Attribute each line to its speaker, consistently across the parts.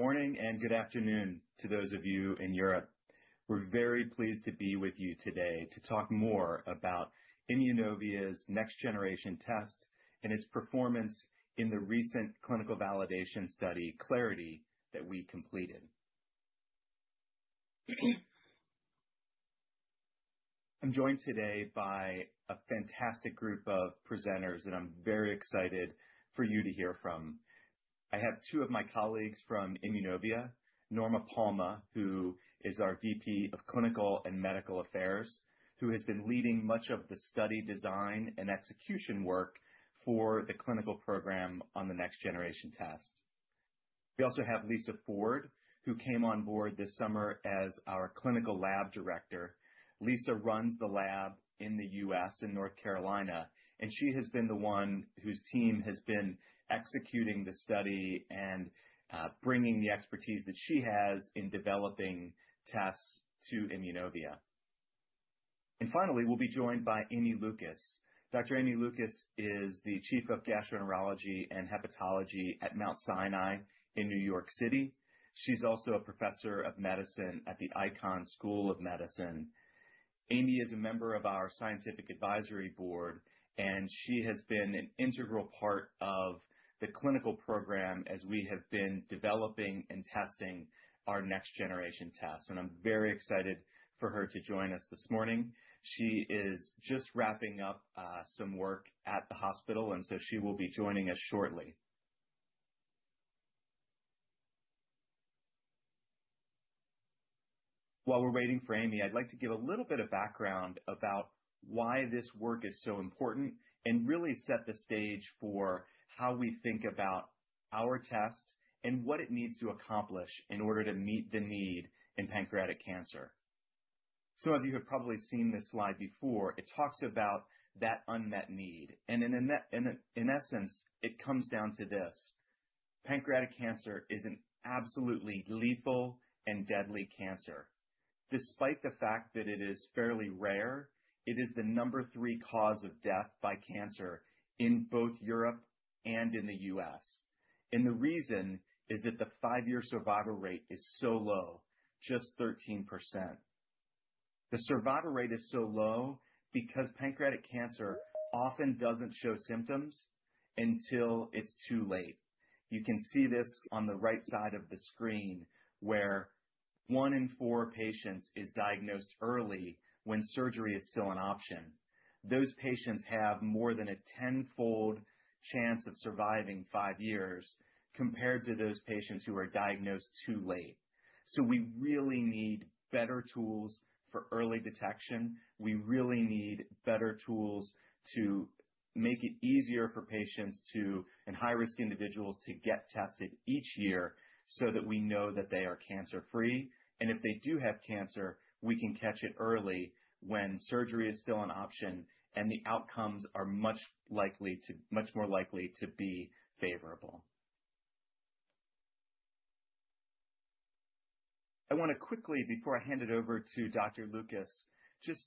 Speaker 1: Good morning and good afternoon to those of you in Europe. We're very pleased to be with you today to talk more about Immunovia's next-generation test and its performance in the recent clinical validation study, CLARITY, that we completed. I'm joined today by a fantastic group of presenters that I'm very excited for you to hear from. I have two of my colleagues from Immunovia, Norma Palma, who is our VP of Clinical and Medical Affairs, who has been leading much of the study design and execution work for the clinical program on the next-generation test. We also have Lisa Ford, who came on board this summer as our clinical lab director. Lisa runs the lab in the U.S., in North Carolina, and she has been the one whose team has been executing the study and bringing the expertise that she has in developing tests to Immunovia. Finally, we'll be joined by Aimee Lucas. Dr. Aimee Lucas is the Chief of Gastroenterology and Hepatology at Mount Sinai in New York City. She's also a professor of medicine at the Icahn School of Medicine. Aimee is a member of our scientific advisory board, and she has been an integral part of the clinical program as we have been developing and testing our next-generation tests. And I'm very excited for her to join us this morning. She is just wrapping up some work at the hospital, and so she will be joining us shortly. While we're waiting for Aimee, I'd like to give a little bit of background about why this work is so important and really set the stage for how we think about our test and what it needs to accomplish in order to meet the need in pancreatic cancer. Some of you have probably seen this slide before. It talks about that unmet need. And in essence, it comes down to this: pancreatic cancer is an absolutely lethal and deadly cancer. Despite the fact that it is fairly rare, it is the number three cause of death by cancer in both Europe and in the U.S. And the reason is that the five-year survival rate is so low, just 13%. The survival rate is so low because pancreatic cancer often doesn't show symptoms until it's too late. You can see this on the right side of the screen, where one in four patients is diagnosed early when surgery is still an option. Those patients have more than a tenfold chance of surviving five years compared to those patients who are diagnosed too late. So we really need better tools for early detection. We really need better tools to make it easier for patients and high-risk individuals to get tested each year so that we know that they are cancer-free, and if they do have cancer, we can catch it early when surgery is still an option and the outcomes are much more likely to be favorable. I want to quickly, before I hand it over to Dr. Lucas, just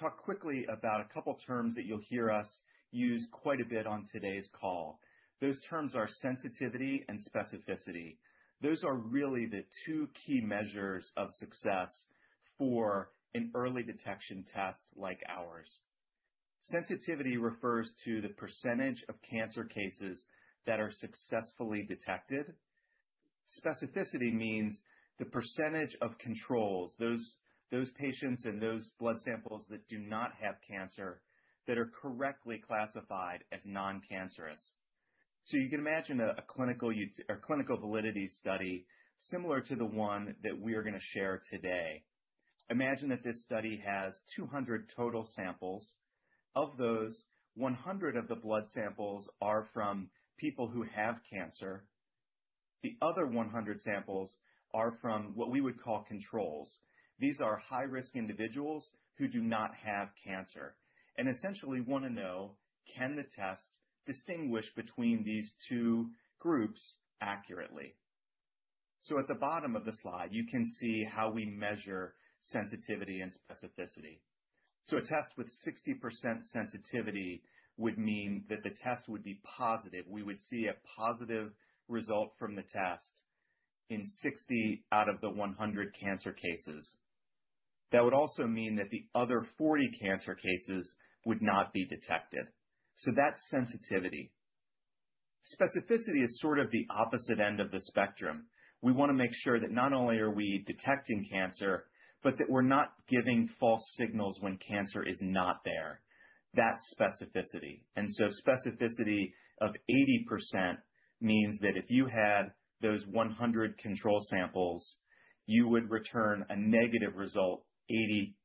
Speaker 1: talk quickly about a couple of terms that you'll hear us use quite a bit on today's call. Those terms are sensitivity and specificity. Those are really the two key measures of success for an early detection test like ours. Sensitivity refers to the percentage of cancer cases that are successfully detected. Specificity means the percentage of controls, those patients and those blood samples that do not have cancer that are correctly classified as non-cancerous. You can imagine a clinical validity study similar to the one that we are going to share today. Imagine that this study has 200 total samples. Of those, 100 of the blood samples are from people who have cancer. The other 100 samples are from what we would call controls. These are high-risk individuals who do not have cancer and essentially want to know, can the test distinguish between these two groups accurately? At the bottom of the slide, you can see how we measure sensitivity and specificity. A test with 60% sensitivity would mean that the test would be positive. We would see a positive result from the test in 60 out of the 100 cancer cases. That would also mean that the other 40 cancer cases would not be detected. That's sensitivity. Specificity is sort of the opposite end of the spectrum. We want to make sure that not only are we detecting cancer, but that we're not giving false signals when cancer is not there. That's specificity. And so specificity of 80% means that if you had those 100 control samples, you would return a negative result, 80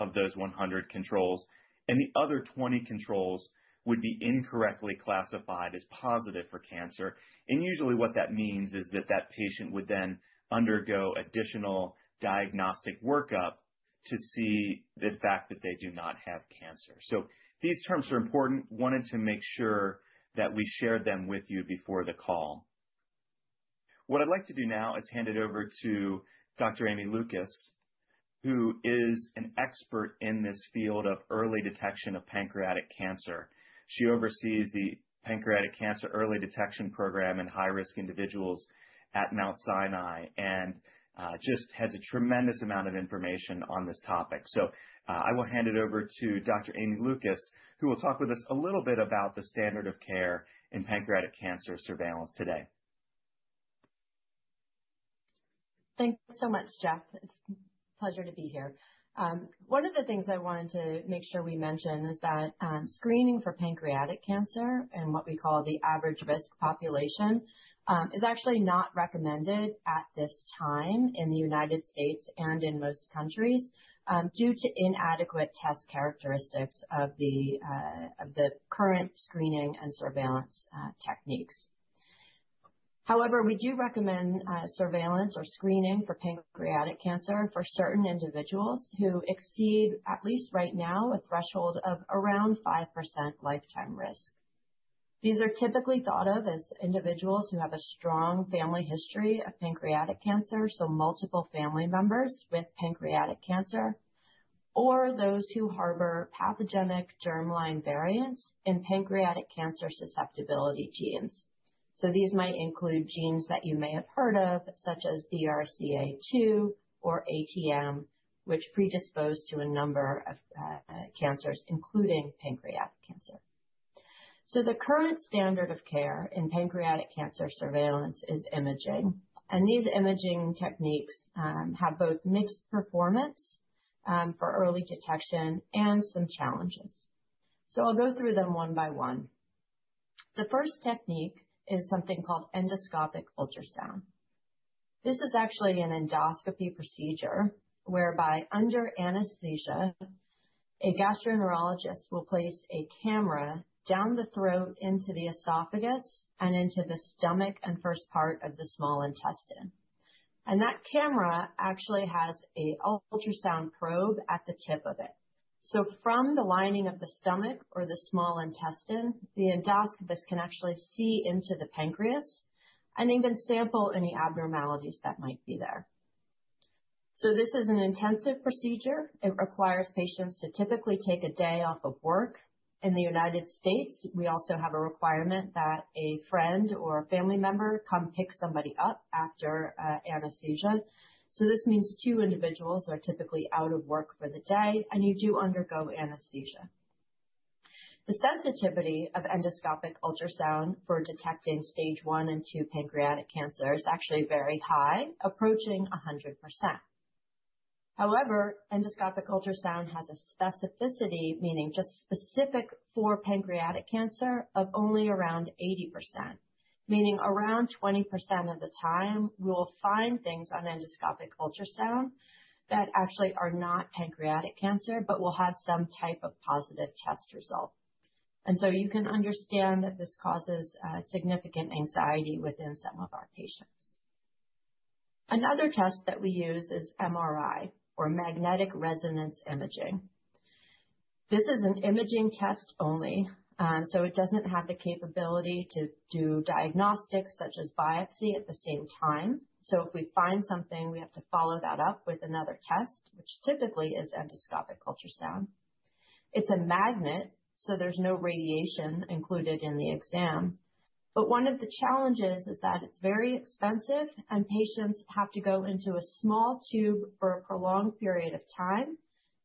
Speaker 1: of those 100 controls, and the other 20 controls would be incorrectly classified as positive for cancer. And usually what that means is that that patient would then undergo additional diagnostic workup to see the fact that they do not have cancer. So these terms are important. Wanted to make sure that we shared them with you before the call. What I'd like to do now is hand it over to Dr. Aimee Lucas, who is an expert in this field of early detection of pancreatic cancer. She oversees the Pancreatic Cancer Early Detection Program in high-risk individuals at Mount Sinai and just has a tremendous amount of information on this topic. So I will hand it over to Dr. Aimee Lucas, who will talk with us a little bit about the standard of care in pancreatic cancer surveillance today.
Speaker 2: Thanks so much, Jeff. It's a pleasure to be here. One of the things I wanted to make sure we mention is that screening for pancreatic cancer and what we call the average risk population is actually not recommended at this time in the United States and in most countries due to inadequate test characteristics of the current screening and surveillance techniques. However, we do recommend surveillance or screening for pancreatic cancer for certain individuals who exceed, at least right now, a threshold of around 5% lifetime risk. These are typically thought of as individuals who have a strong family history of pancreatic cancer, so multiple family members with pancreatic cancer, or those who harbor pathogenic germline variants in pancreatic cancer susceptibility genes. So these might include genes that you may have heard of, such as BRCA2 or ATM, which predispose to a number of cancers, including pancreatic cancer. The current standard of care in pancreatic cancer surveillance is imaging. These imaging techniques have both mixed performance for early detection and some challenges. I'll go through them one by one. The first technique is something called endoscopic ultrasound. This is actually an endoscopy procedure whereby, under anesthesia, a gastroenterologist will place a camera down the throat into the esophagus and into the stomach and first part of the small intestine. That camera actually has an ultrasound probe at the tip of it. From the lining of the stomach or the small intestine, the endoscopist can actually see into the pancreas and even sample any abnormalities that might be there. This is an intensive procedure. It requires patients to typically take a day off of work. In the United States, we also have a requirement that a friend or a family member come pick somebody up after anesthesia. So this means two individuals are typically out of work for the day, and you do undergo anesthesia. The sensitivity of endoscopic ultrasound for detecting stage one and two pancreatic cancer is actually very high, approaching 100%. However, endoscopic ultrasound has a specificity, meaning just specific for pancreatic cancer, of only around 80%, meaning around 20% of the time we'll find things on endoscopic ultrasound that actually are not pancreatic cancer, but we'll have some type of positive test result. And so you can understand that this causes significant anxiety within some of our patients. Another test that we use is MRI or magnetic resonance imaging. This is an imaging test only, so it doesn't have the capability to do diagnostics such as biopsy at the same time. So if we find something, we have to follow that up with another test, which typically is endoscopic ultrasound. It's a magnet, so there's no radiation included in the exam. But one of the challenges is that it's very expensive, and patients have to go into a small tube for a prolonged period of time,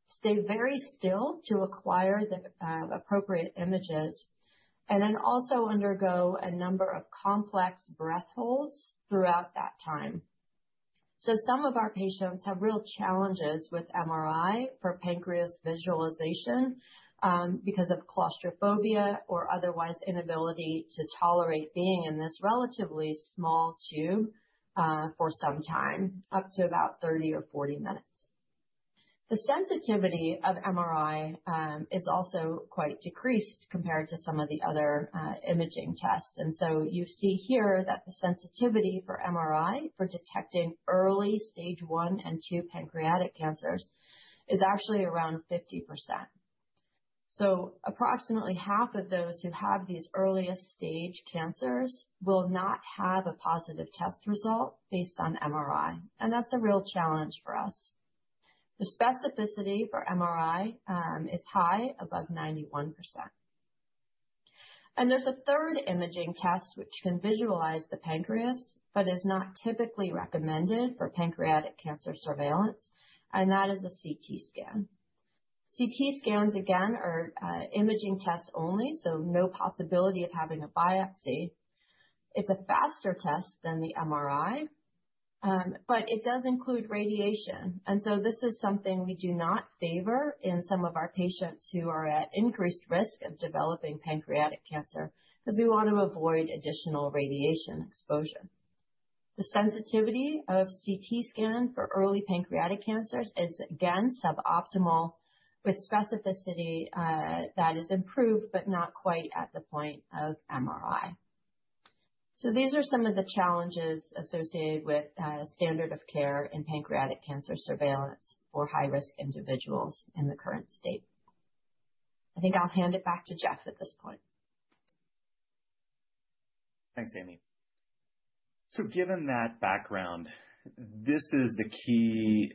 Speaker 2: stay very still to acquire the appropriate images, and then also undergo a number of complex breath holds throughout that time. So some of our patients have real challenges with MRI for pancreas visualization because of claustrophobia or otherwise inability to tolerate being in this relatively small tube for some time, up to about 30 or 40 minutes. The sensitivity of MRI is also quite decreased compared to some of the other imaging tests. And so you see here that the sensitivity for MRI for detecting early stage one and two pancreatic cancers is actually around 50%. So approximately half of those who have these earliest stage cancers will not have a positive test result based on MRI. And that's a real challenge for us. The specificity for MRI is high, above 91%. And there's a third imaging test which can visualize the pancreas, but is not typically recommended for pancreatic cancer surveillance, and that is a CT scan. CT scans, again, are imaging tests only, so no possibility of having a biopsy. It's a faster test than the MRI, but it does include radiation. And so this is something we do not favor in some of our patients who are at increased risk of developing pancreatic cancer because we want to avoid additional radiation exposure. The sensitivity of CT scan for early pancreatic cancers is, again, suboptimal, with specificity that is improved, but not quite at the point of MRI. So these are some of the challenges associated with standard of care in pancreatic cancer surveillance for high-risk individuals in the current state. I think I'll hand it back to Jeff at this point.
Speaker 1: Thanks, Aimee. So given that background, this is the key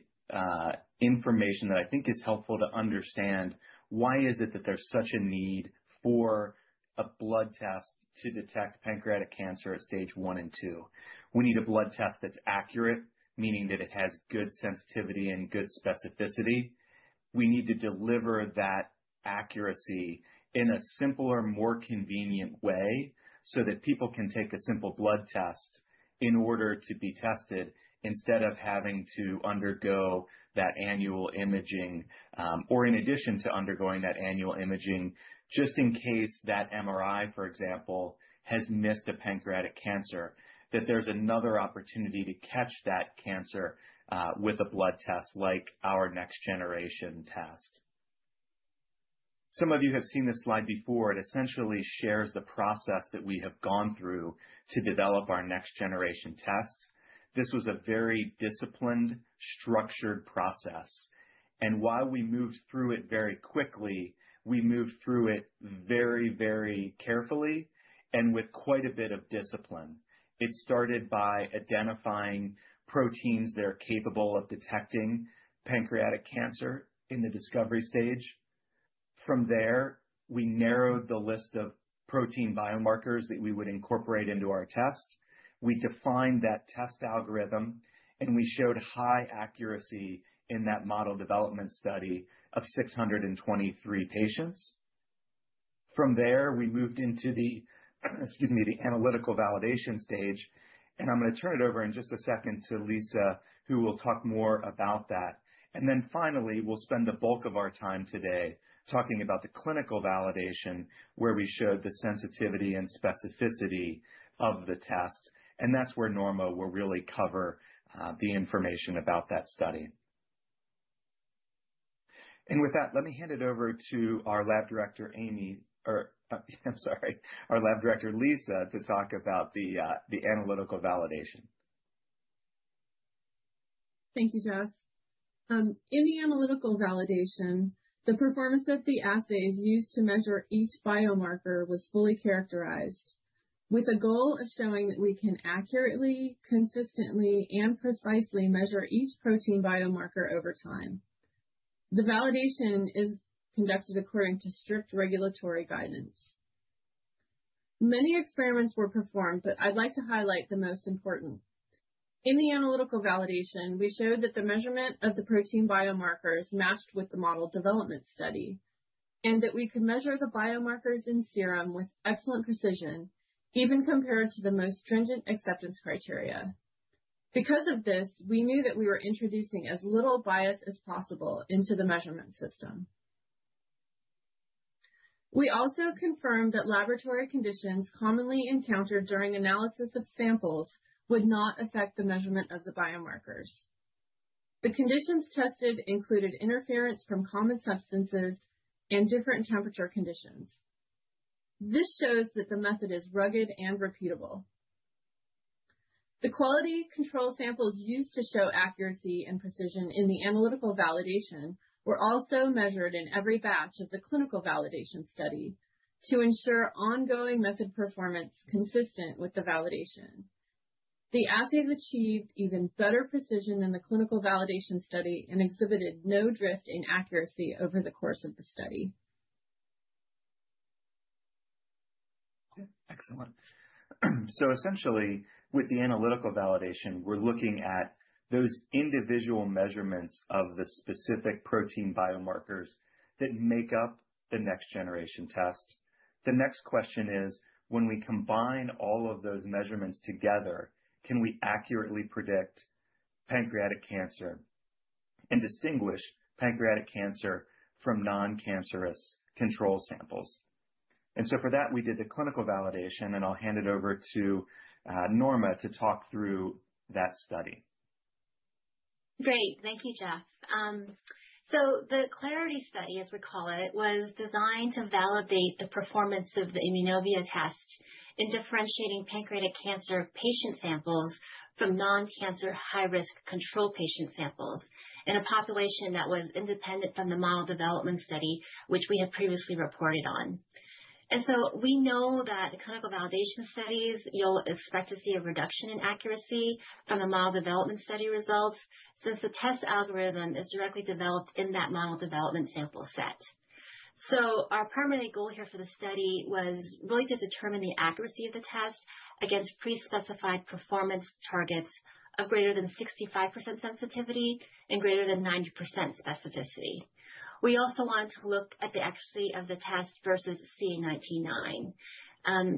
Speaker 1: information that I think is helpful to understand. Why is it that there's such a need for a blood test to detect pancreatic cancer at stage one and two? We need a blood test that's accurate, meaning that it has good sensitivity and good specificity. We need to deliver that accuracy in a simpler, more convenient way so that people can take a simple blood test in order to be tested instead of having to undergo that annual imaging or in addition to undergoing that annual imaging, just in case that MRI, for example, has missed a pancreatic cancer, that there's another opportunity to catch that cancer with a blood test like our next-generation test. Some of you have seen this slide before. It essentially shares the process that we have gone through to develop our next-generation test. This was a very disciplined, structured process. And while we moved through it very quickly, we moved through it very, very carefully and with quite a bit of discipline. It started by identifying proteins that are capable of detecting pancreatic cancer in the discovery stage. From there, we narrowed the list of protein biomarkers that we would incorporate into our test. We defined that test algorithm, and we showed high accuracy in that model development study of 623 patients. From there, we moved into the, excuse me, the analytical validation stage. And I'm going to turn it over in just a second to Lisa, who will talk more about that. And then finally, we'll spend the bulk of our time today talking about the clinical validation, where we showed the sensitivity and specificity of the test. And that's where Norma will really cover the information about that study. And with that, let me hand it over to our lab director, Aimee, or I'm sorry, our lab director, Lisa, to talk about the analytical validation.
Speaker 3: Thank you, Jeff. In the analytical validation, the performance of the assays used to measure each biomarker was fully characterized with a goal of showing that we can accurately, consistently, and precisely measure each protein biomarker over time. The validation is conducted according to strict regulatory guidance. Many experiments were performed, but I'd like to highlight the most important. In the analytical validation, we showed that the measurement of the protein biomarkers matched with the model development study and that we could measure the biomarkers in serum with excellent precision, even compared to the most stringent acceptance criteria. Because of this, we knew that we were introducing as little bias as possible into the measurement system. We also confirmed that laboratory conditions commonly encountered during analysis of samples would not affect the measurement of the biomarkers. The conditions tested included interference from common substances and different temperature conditions. This shows that the method is rugged and repeatable. The quality control samples used to show accuracy and precision in the analytical validation were also measured in every batch of the clinical validation study to ensure ongoing method performance consistent with the validation. The assays achieved even better precision than the clinical validation study and exhibited no drift in accuracy over the course of the study.
Speaker 1: Excellent. So essentially, with the analytical validation, we're looking at those individual measurements of the specific protein biomarkers that make up the next-generation test. The next question is, when we combine all of those measurements together, can we accurately predict pancreatic cancer and distinguish pancreatic cancer from non-cancerous control samples? And so for that, we did the clinical validation, and I'll hand it over to Norma to talk through that study.
Speaker 4: Great. Thank you, Jeff, so the CLARITI study, as we call it, was designed to validate the performance of the Immunovia test in differentiating pancreatic cancer patient samples from non-cancer high-risk control patient samples in a population that was independent from the model development study, which we had previously reported on, and so we know that the clinical validation studies, you'll expect to see a reduction in accuracy from the model development study results since the test algorithm is directly developed in that model development sample set, so our primary goal here for the study was really to determine the accuracy of the test against pre-specified performance targets of greater than 65% sensitivity and greater than 90% specificity. We also wanted to look at the accuracy of the test versus CA 19-9,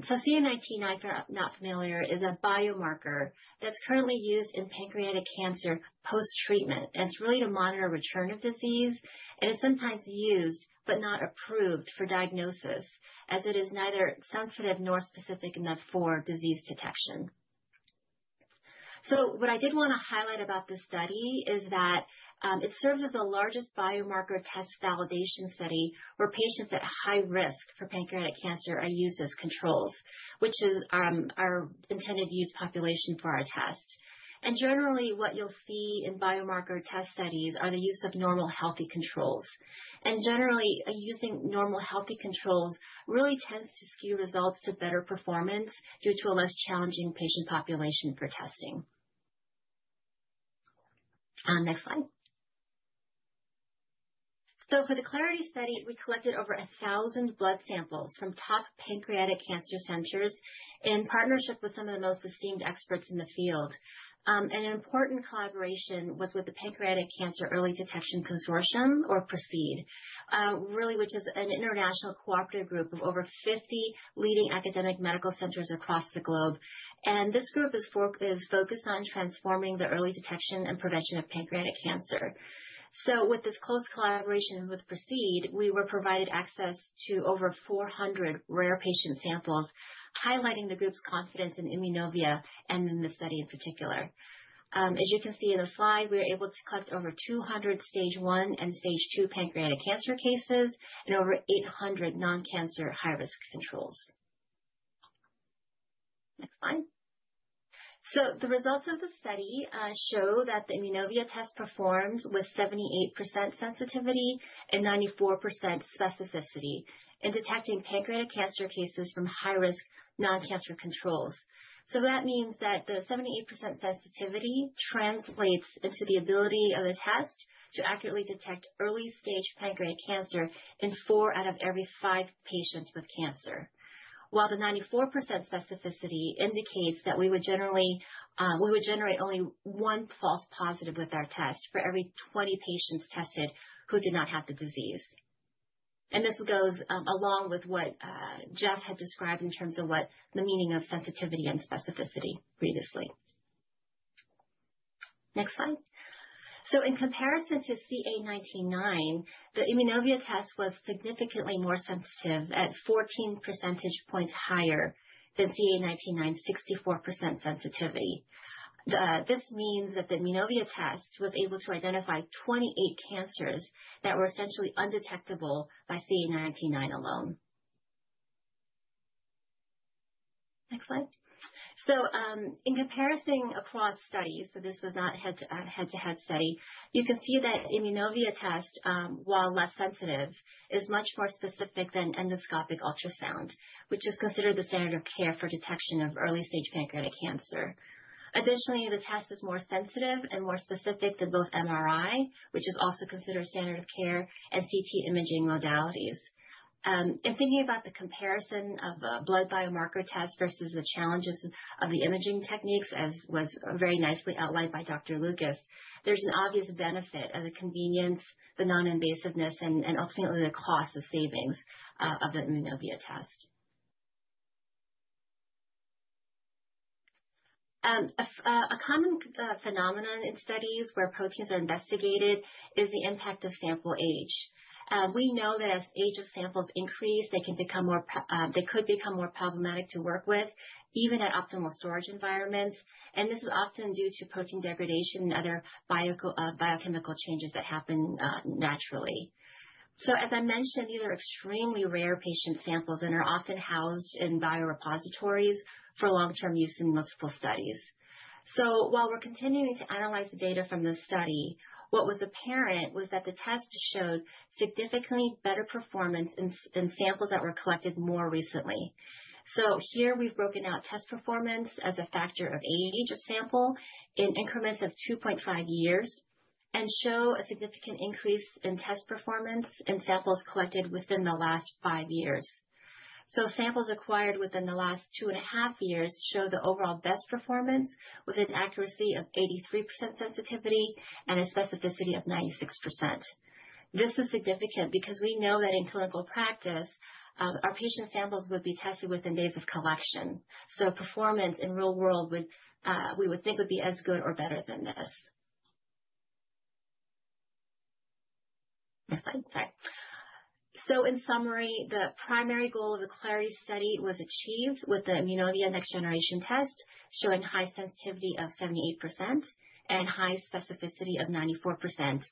Speaker 4: so CA 19-9, if you're not familiar, is a biomarker that's currently used in pancreatic cancer post-treatment. It's really to monitor return of disease. It is sometimes used, but not approved for diagnosis, as it is neither sensitive nor specific enough for disease detection. What I did want to highlight about this study is that it serves as the largest biomarker test validation study where patients at high risk for pancreatic cancer are used as controls, which is our intended use population for our test. Generally, what you'll see in biomarker test studies are the use of normal healthy controls. Generally, using normal healthy controls really tends to skew results to better performance due to a less challenging patient population for testing. Next slide. For the CLARITI study, we collected over 1,000 blood samples from top pancreatic cancer centers in partnership with some of the most esteemed experts in the field. An important collaboration was with the Pancreatic Cancer Early Detection Consortium, or PRECEDE, really, which is an international cooperative group of over 50 leading academic medical centers across the globe. This group is focused on transforming the early detection and prevention of pancreatic cancer. With this close collaboration with PRECEDE, we were provided access to over 400 rare patient samples, highlighting the group's confidence in Immunovia and in the study in particular. As you can see in the slide, we were able to collect over 200 stage one and stage two pancreatic cancer cases and over 800 non-cancer high-risk controls. Next slide. The results of the study show that the Immunovia test performed with 78% sensitivity and 94% specificity in detecting pancreatic cancer cases from high-risk non-cancer controls. So that means that the 78% sensitivity translates into the ability of the test to accurately detect early stage pancreatic cancer in four out of every five patients with cancer, while the 94% specificity indicates that we would generate only one false positive with our test for every 20 patients tested who did not have the disease. And this goes along with what Jeff had described in terms of what the meaning of sensitivity and specificity previously. Next slide. So in comparison to CA 19-9, the Immunovia test was significantly more sensitive, at 14 percentage points higher than CA 19-9's 64% sensitivity. This means that the Immunovia test was able to identify 28 cancers that were essentially undetectable by CA 19-9 alone. Next slide. So in comparison across studies, so this was not a head-to-head study, you can see that Immunovia test, while less sensitive, is much more specific than endoscopic ultrasound, which is considered the standard of care for detection of early stage pancreatic cancer. Additionally, the test is more sensitive and more specific than both MRI, which is also considered a standard of care, and CT imaging modalities. In thinking about the comparison of a blood biomarker test versus the challenges of the imaging techniques, as was very nicely outlined by Dr. Lucas, there's an obvious benefit of the convenience, the non-invasiveness, and ultimately the cost of savings of the Immunovia test. A common phenomenon in studies where proteins are investigated is the impact of sample age. We know that as age of samples increase, they could become more problematic to work with, even at optimal storage environments. This is often due to protein degradation and other biochemical changes that happen naturally. As I mentioned, these are extremely rare patient samples and are often housed in biorepositories for long-term use in multiple studies. While we're continuing to analyze the data from this study, what was apparent was that the test showed significantly better performance in samples that were collected more recently. Here, we've broken out test performance as a factor of age of sample in increments of 2.5 years and show a significant increase in test performance in samples collected within the last five years. Samples acquired within the last two and a half years show the overall best performance with an accuracy of 83% sensitivity and a specificity of 96%. This is significant because we know that in clinical practice, our patient samples would be tested within days of collection. So performance in real world, we would think would be as good or better than this. Next slide. Sorry. So in summary, the primary goal of the CLARITI study was achieved with the Immunovia next-generation test showing high sensitivity of 78% and high specificity of 94%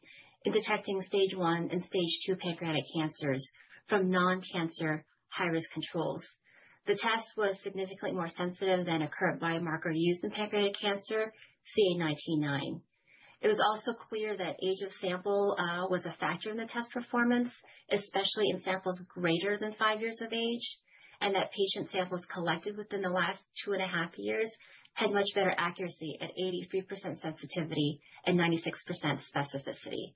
Speaker 4: in detecting stage one and stage two pancreatic cancers from non-cancer high-risk controls. The test was significantly more sensitive than a current biomarker used in pancreatic cancer, CA 19-9. It was also clear that age of sample was a factor in the test performance, especially in samples greater than five years of age, and that patient samples collected within the last two and a half years had much better accuracy at 83% sensitivity and 96% specificity.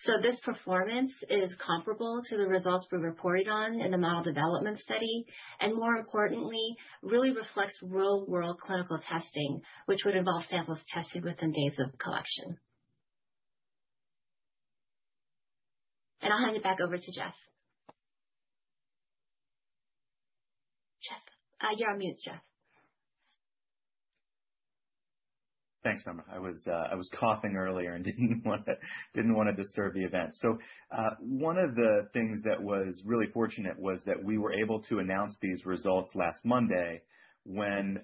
Speaker 4: So this performance is comparable to the results we reported on in the model development study and, more importantly, really reflects real-world clinical testing, which would involve samples tested within days of collection. And I'll hand it back over to Jeff. Jeff, you're on mute, Jeff.
Speaker 1: Thanks, Norma. I was coughing earlier and didn't want to disturb the event. So one of the things that was really fortunate was that we were able to announce these results last Monday when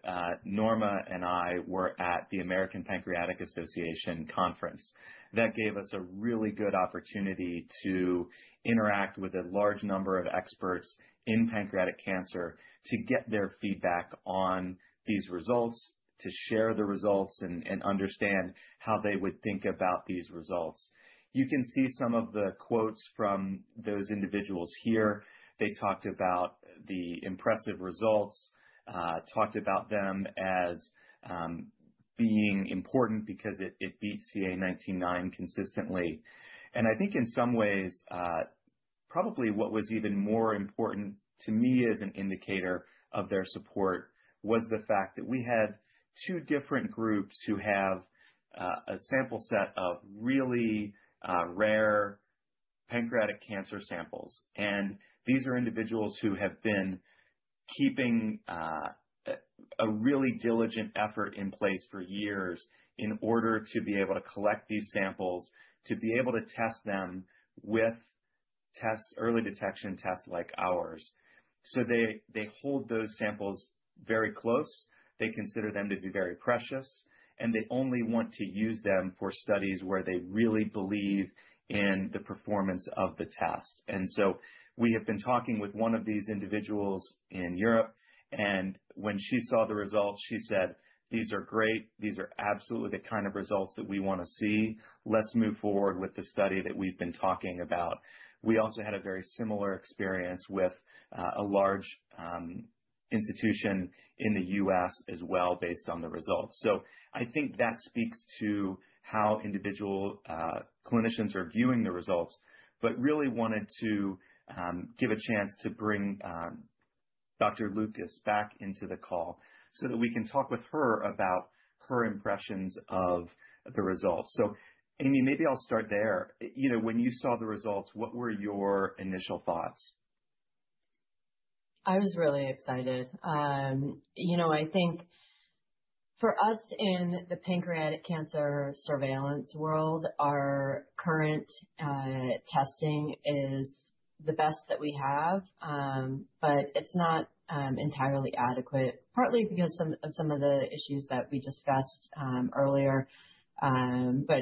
Speaker 1: Norma and I were at the American Pancreatic Association conference. That gave us a really good opportunity to interact with a large number of experts in pancreatic cancer to get their feedback on these results, to share the results, and understand how they would think about these results. You can see some of the quotes from those individuals here. They talked about the impressive results, talked about them as being important because it beat CA 19-9 consistently. And I think in some ways, probably what was even more important to me as an indicator of their support was the fact that we had two different groups who have a sample set of really rare pancreatic cancer samples. These are individuals who have been keeping a really diligent effort in place for years in order to be able to collect these samples, to be able to test them with early detection tests like ours. So they hold those samples very close. They consider them to be very precious, and they only want to use them for studies where they really believe in the performance of the test. And so we have been talking with one of these individuals in Europe. And when she saw the results, she said, "These are great. These are absolutely the kind of results that we want to see. Let's move forward with the study that we've been talking about." We also had a very similar experience with a large institution in the U.S. as well based on the results. So I think that speaks to how individual clinicians are viewing the results, but really wanted to give a chance to bring Dr. Lucas back into the call so that we can talk with her about her impressions of the results. So, Aimee, maybe I'll start there. When you saw the results, what were your initial thoughts?
Speaker 2: I was really excited. I think for us in the pancreatic cancer surveillance world, our current testing is the best that we have, but it's not entirely adequate, partly because of some of the issues that we discussed earlier, but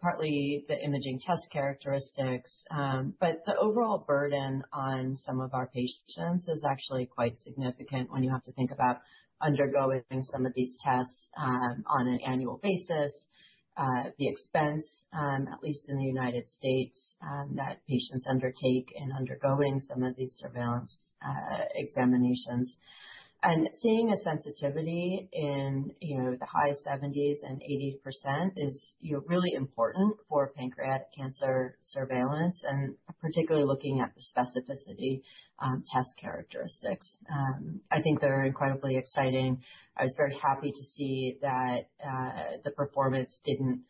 Speaker 2: partly the imaging test characteristics, but the overall burden on some of our patients is actually quite significant when you have to think about undergoing some of these tests on an annual basis, the expense, at least in the United States, that patients undertake in undergoing some of these surveillance examinations, and seeing a sensitivity in the high 70s and 80% is really important for pancreatic cancer surveillance, and particularly looking at the specificity test characteristics. I think they're incredibly exciting. I was very happy to see that the performance didn't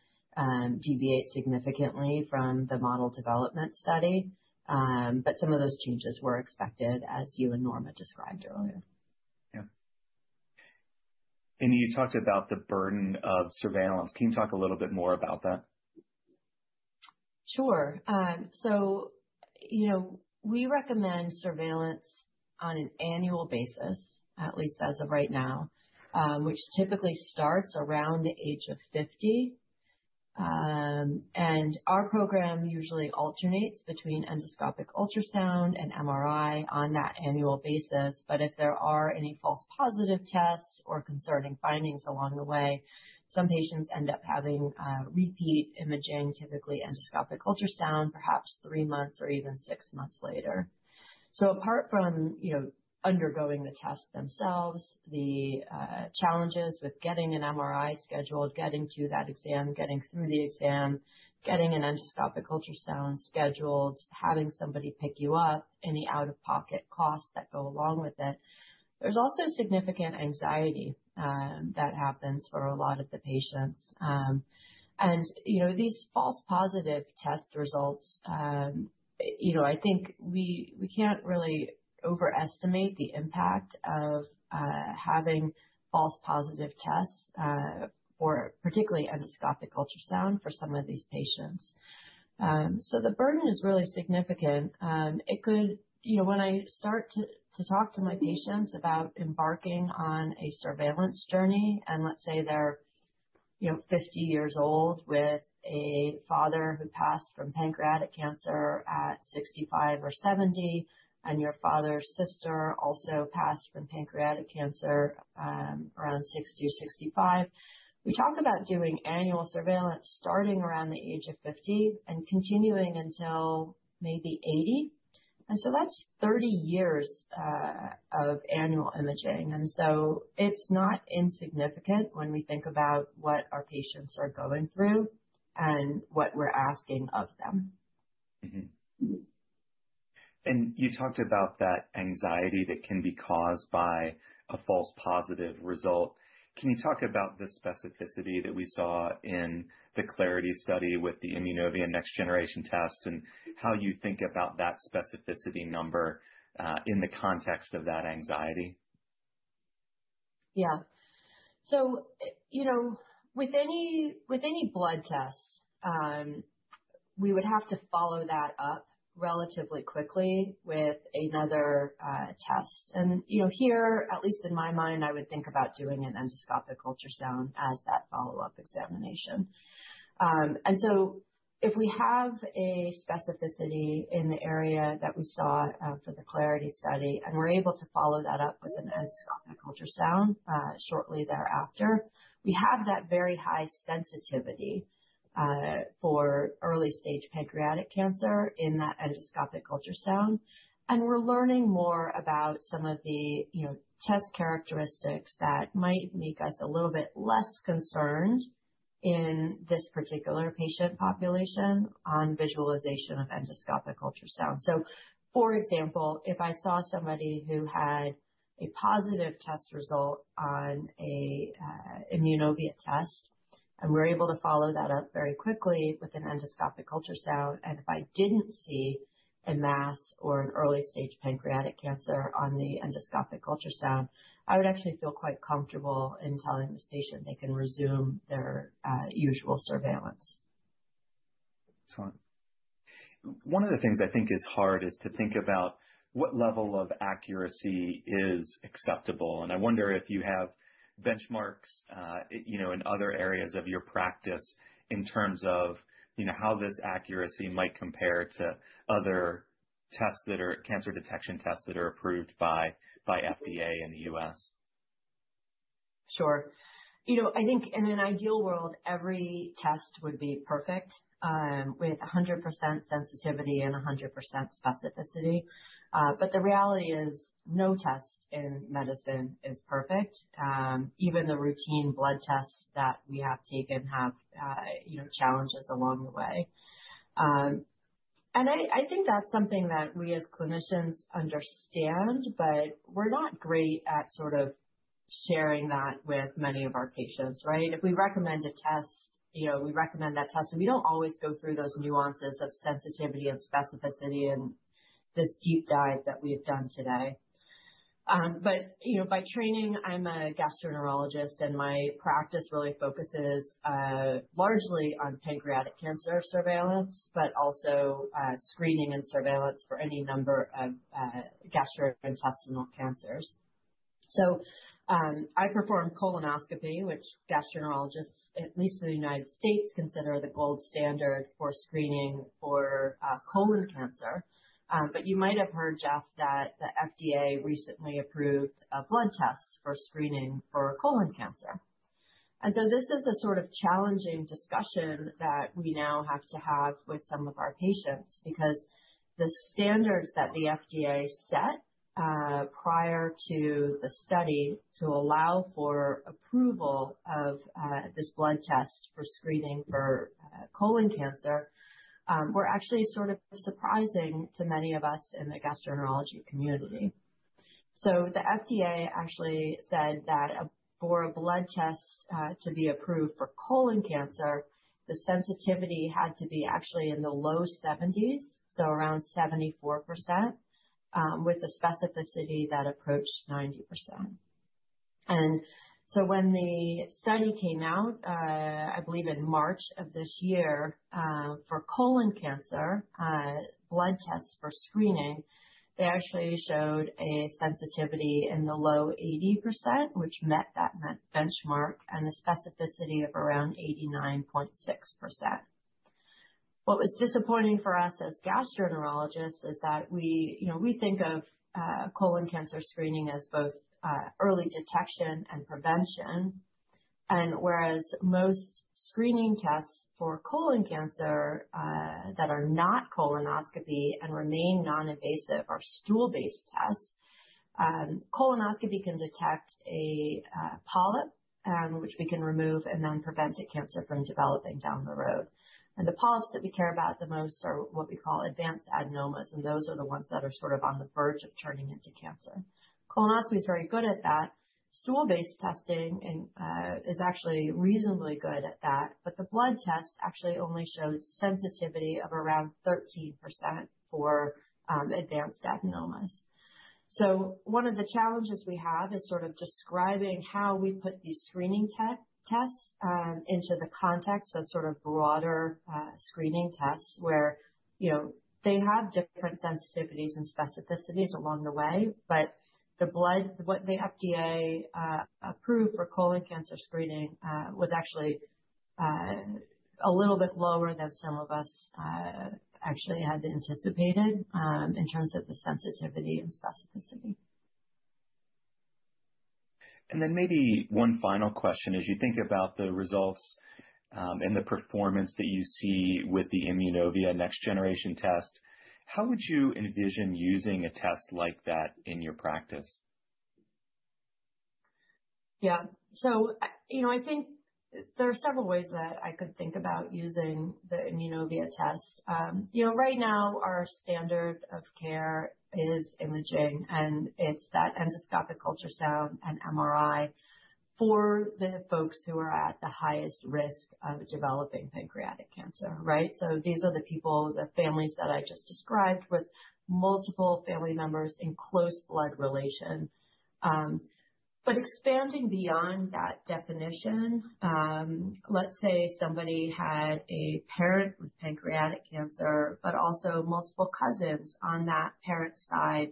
Speaker 2: deviate significantly from the model development study, but some of those changes were expected, as you and Norma described earlier.
Speaker 1: Yeah. Aimee, you talked about the burden of surveillance. Can you talk a little bit more about that?
Speaker 2: Sure. So we recommend surveillance on an annual basis, at least as of right now, which typically starts around the age of 50, and our program usually alternates between endoscopic ultrasound and MRI on that annual basis, but if there are any false positive tests or concerning findings along the way, some patients end up having repeat imaging, typically endoscopic ultrasound, perhaps three months or even six months later, so apart from undergoing the tests themselves, the challenges with getting an MRI scheduled, getting to that exam, getting through the exam, getting an endoscopic ultrasound scheduled, having somebody pick you up, any out-of-pocket costs that go along with it, there's also significant anxiety that happens for a lot of the patients, and these false positive test results, I think we can't really overestimate the impact of having false positive tests, particularly endoscopic ultrasound, for some of these patients. The burden is really significant. When I start to talk to my patients about embarking on a surveillance journey, and let's say they're 50 years old with a father who passed from pancreatic cancer at 65 or 70, and your father's sister also passed from pancreatic cancer around 60 or 65, we talk about doing annual surveillance starting around the age of 50 and continuing until maybe 80. That's 30 years of annual imaging. It's not insignificant when we think about what our patients are going through and what we're asking of them.
Speaker 1: You talked about that anxiety that can be caused by a false positive result. Can you talk about the specificity that we saw in the CLARITI study with the Immunovia next-generation test and how you think about that specificity number in the context of that anxiety?
Speaker 2: Yeah. So with any blood tests, we would have to follow that up relatively quickly with another test. And here, at least in my mind, I would think about doing an endoscopic ultrasound as that follow-up examination. And so if we have a specificity in the area that we saw for the CLARITI study and we're able to follow that up with an endoscopic ultrasound shortly thereafter, we have that very high sensitivity for early stage pancreatic cancer in that endoscopic ultrasound. And we're learning more about some of the test characteristics that might make us a little bit less concerned in this particular patient population on visualization of endoscopic ultrasound. So, for example, if I saw somebody who had a positive test result on an Immunovia test and we're able to follow that up very quickly with an endoscopic ultrasound, and if I didn't see a mass or an early stage pancreatic cancer on the endoscopic ultrasound, I would actually feel quite comfortable in telling this patient they can resume their usual surveillance.
Speaker 1: Excellent. One of the things I think is hard is to think about what level of accuracy is acceptable, and I wonder if you have benchmarks in other areas of your practice in terms of how this accuracy might compare to other cancer detection tests that are approved by FDA in the U.S.?
Speaker 2: Sure. I think in an ideal world, every test would be perfect with 100% sensitivity and 100% specificity. But the reality is no test in medicine is perfect. Even the routine blood tests that we have taken have challenges along the way. And I think that's something that we as clinicians understand, but we're not great at sort of sharing that with many of our patients, right? If we recommend a test, we recommend that test, and we don't always go through those nuances of sensitivity and specificity and this deep dive that we've done today. But by training, I'm a gastroenterologist, and my practice really focuses largely on pancreatic cancer surveillance, but also screening and surveillance for any number of gastrointestinal cancers. So I perform colonoscopy, which gastroenterologists, at least in the United States, consider the gold standard for screening for colon cancer. But you might have heard, Jeff, that the FDA recently approved a blood test for screening for colon cancer. And so this is a sort of challenging discussion that we now have to have with some of our patients because the standards that the FDA set prior to the study to allow for approval of this blood test for screening for colon cancer were actually sort of surprising to many of us in the gastroenterology community. So the FDA actually said that for a blood test to be approved for colon cancer, the sensitivity had to be actually in the low 70s, so around 74%, with a specificity that approached 90%. And so when the study came out, I believe in March of this year, for colon cancer, blood tests for screening, they actually showed a sensitivity in the low 80%, which met that benchmark, and the specificity of around 89.6%. What was disappointing for us as gastroenterologists is that we think of colon cancer screening as both early detection and prevention, and whereas most screening tests for colon cancer that are not colonoscopy and remain non-invasive are stool-based tests, colonoscopy can detect a polyp, which we can remove and then prevent cancer from developing down the road. And the polyps that we care about the most are what we call advanced adenomas, and those are the ones that are sort of on the verge of turning into cancer. Colonoscopy is very good at that. Stool-based testing is actually reasonably good at that, but the blood test actually only showed sensitivity of around 13% for advanced adenomas. So one of the challenges we have is sort of describing how we put these screening tests into the context of sort of broader screening tests where they have different sensitivities and specificities along the way. But the blood test that the FDA approved for colon cancer screening was actually a little bit lower than some of us actually had anticipated in terms of the sensitivity and specificity.
Speaker 1: And then maybe one final question. As you think about the results and the performance that you see with the Immunovia next-generation test, how would you envision using a test like that in your practice?
Speaker 2: Yeah. So I think there are several ways that I could think about using the Immunovia test. Right now, our standard of care is imaging, and it's that endoscopic ultrasound and MRI for the folks who are at the highest risk of developing pancreatic cancer, right? So these are the people, the families that I just described with multiple family members in close blood relation. But expanding beyond that definition, let's say somebody had a parent with pancreatic cancer, but also multiple cousins on that parent's side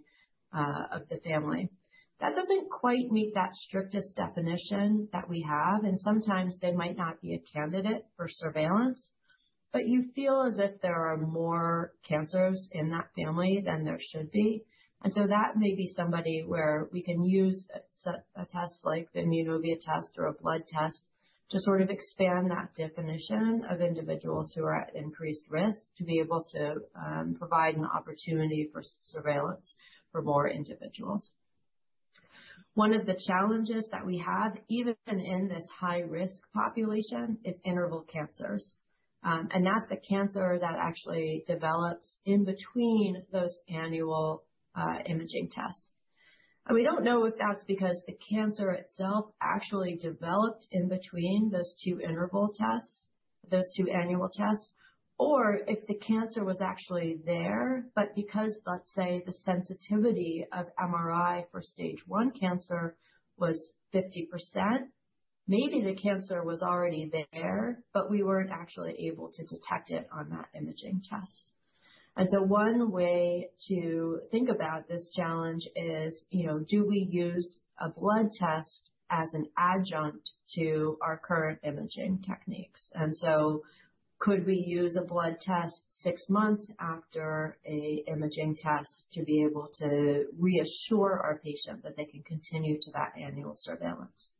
Speaker 2: of the family. That doesn't quite meet that strictest definition that we have, and sometimes they might not be a candidate for surveillance, but you feel as if there are more cancers in that family than there should be. And so that may be somebody where we can use a test like the Immunovia test or a blood test to sort of expand that definition of individuals who are at increased risk to be able to provide an opportunity for surveillance for more individuals. One of the challenges that we have, even in this high-risk population, is interval cancers. And that's a cancer that actually develops in between those annual imaging tests. And we don't know if that's because the cancer itself actually developed in between those two interval tests, those two annual tests, or if the cancer was actually there, but because, let's say, the sensitivity of MRI for stage one cancer was 50%, maybe the cancer was already there, but we weren't actually able to detect it on that imaging test. One way to think about this challenge is, do we use a blood test as an adjunct to our current imaging techniques? Could we use a blood test six months after an imaging test to be able to reassure our patient that they can continue to that annual surveillance?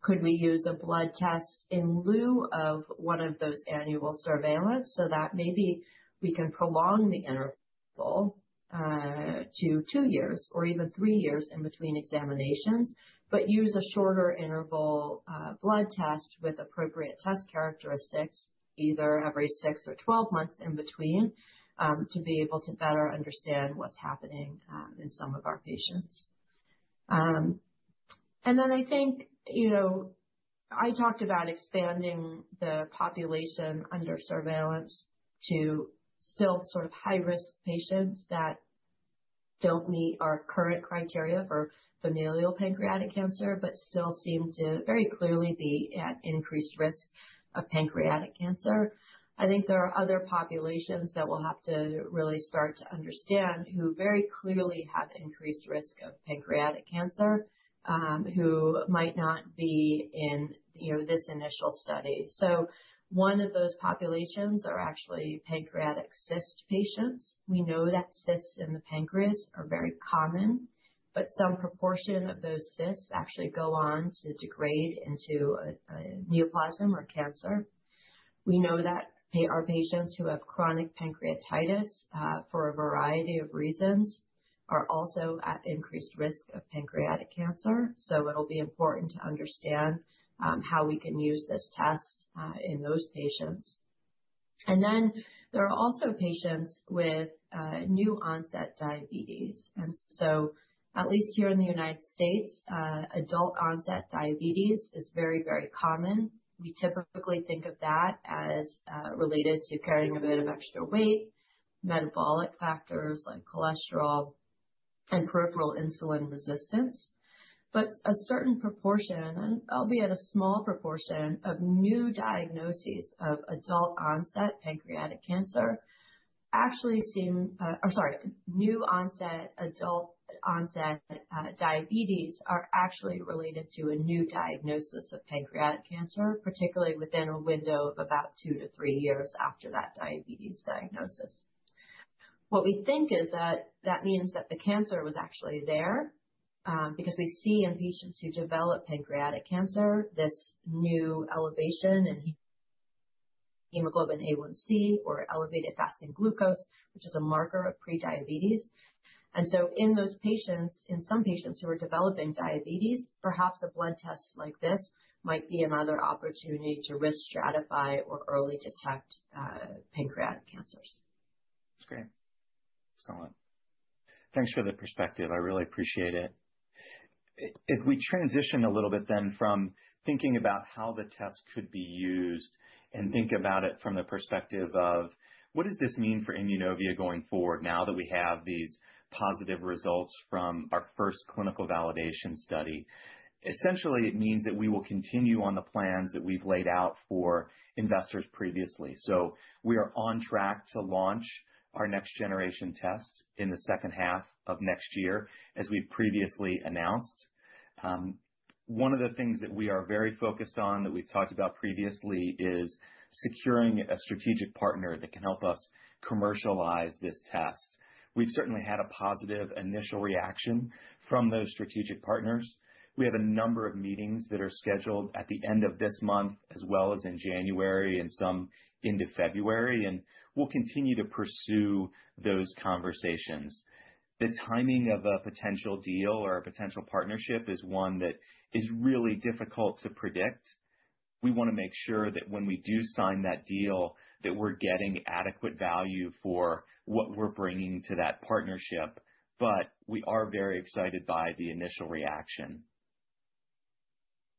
Speaker 2: Could we use a blood test in lieu of one of those annual surveillance so that maybe we can prolong the interval to two years or even three years in between examinations, but use a shorter interval blood test with appropriate test characteristics, either every six or 12 months in between to be able to better understand what's happening in some of our patients? And then I think I talked about expanding the population under surveillance to still sort of high-risk patients that don't meet our current criteria for familial pancreatic cancer, but still seem to very clearly be at increased risk of pancreatic cancer. I think there are other populations that will have to really start to understand who very clearly have increased risk of pancreatic cancer, who might not be in this initial study. So one of those populations are actually pancreatic cyst patients. We know that cysts in the pancreas are very common, but some proportion of those cysts actually go on to degrade into a neoplasm or cancer. We know that our patients who have chronic pancreatitis for a variety of reasons are also at increased risk of pancreatic cancer. So it'll be important to understand how we can use this test in those patients. Then there are also patients with new-onset diabetes. So at least here in the United States, adult-onset diabetes is very, very common. We typically think of that as related to carrying a bit of extra weight, metabolic factors like cholesterol, and peripheral insulin resistance. A certain proportion, and it's a small proportion, of new diagnoses of adult-onset pancreatic cancer actually seem - or sorry, new-onset adult-onset diabetes are actually related to a new diagnosis of pancreatic cancer, particularly within a window of about two to three years after that diabetes diagnosis. What we think is that that means that the cancer was actually there because we see in patients who develop pancreatic cancer this new elevation in hemoglobin A1C or elevated fasting glucose, which is a marker of prediabetes. And so in those patients, in some patients who are developing diabetes, perhaps a blood test like this might be another opportunity to risk stratify or early detect pancreatic cancers.
Speaker 1: That's great. Excellent. Thanks for the perspective. I really appreciate it. If we transition a little bit then from thinking about how the test could be used and think about it from the perspective of what does this mean for Immunovia going forward now that we have these positive results from our first clinical validation study, essentially it means that we will continue on the plans that we've laid out for investors previously. So we are on track to launch our next-generation test in the second half of next year, as we've previously announced. One of the things that we are very focused on that we've talked about previously is securing a strategic partner that can help us commercialize this test. We've certainly had a positive initial reaction from those strategic partners. We have a number of meetings that are scheduled at the end of this month, as well as in January and some into February, and we'll continue to pursue those conversations. The timing of a potential deal or a potential partnership is one that is really difficult to predict. We want to make sure that when we do sign that deal, that we're getting adequate value for what we're bringing to that partnership, but we are very excited by the initial reaction.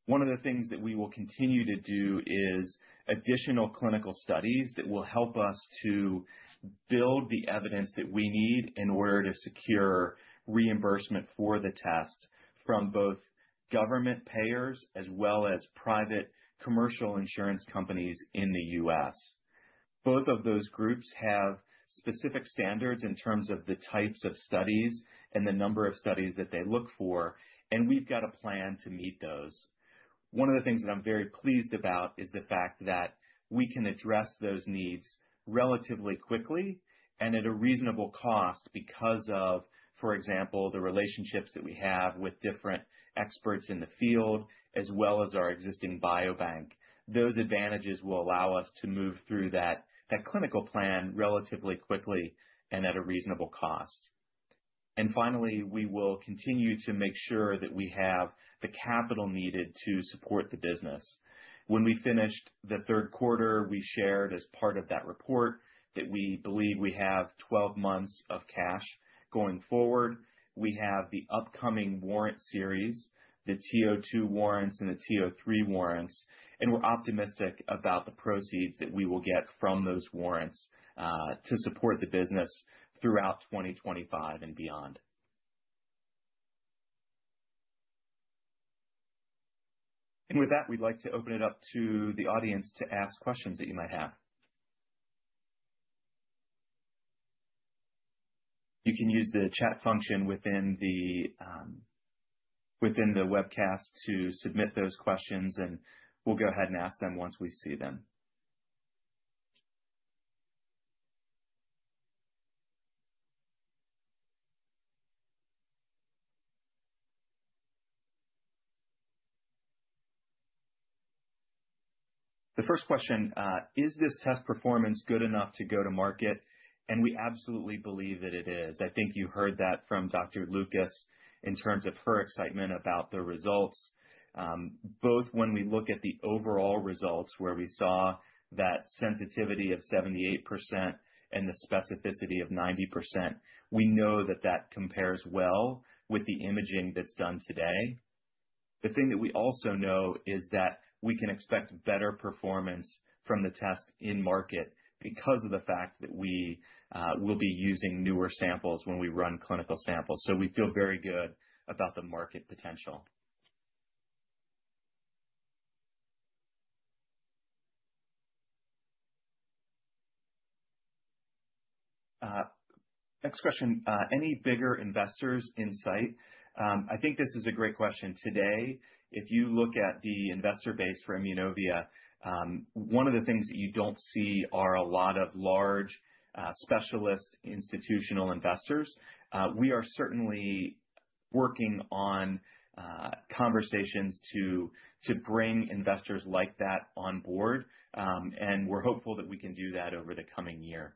Speaker 1: One of the things that we will continue to do is additional clinical studies that will help us to build the evidence that we need in order to secure reimbursement for the test from both government payers as well as private commercial insurance companies in the U.S. Both of those groups have specific standards in terms of the types of studies and the number of studies that they look for, and we've got a plan to meet those. One of the things that I'm very pleased about is the fact that we can address those needs relatively quickly and at a reasonable cost because of, for example, the relationships that we have with different experts in the field, as well as our existing biobank. Those advantages will allow us to move through that clinical plan relatively quickly and at a reasonable cost. And finally, we will continue to make sure that we have the capital needed to support the business. When we finished the third quarter, we shared as part of that report that we believe we have 12 months of cash going forward. We have the upcoming warrant series, the TO2 warrants and the TO3 warrants, and we're optimistic about the proceeds that we will get from those warrants to support the business throughout 2025 and beyond. And with that, we'd like to open it up to the audience to ask questions that you might have. You can use the chat function within the webcast to submit those questions, and we'll go ahead and ask them once we see them. The first question: Is this test performance good enough to go to market? And we absolutely believe that it is. I think you heard that from Dr. Lucas in terms of her excitement about the results. Both when we look at the overall results, where we saw that sensitivity of 78% and the specificity of 90%, we know that that compares well with the imaging that's done today. The thing that we also know is that we can expect better performance from the test in market because of the fact that we will be using newer samples when we run clinical samples. So we feel very good about the market potential. Next question: Any bigger investors in sight? I think this is a great question. Today, if you look at the investor base for Immunovia, one of the things that you don't see are a lot of large specialist institutional investors. We are certainly working on conversations to bring investors like that on board, and we're hopeful that we can do that over the coming year.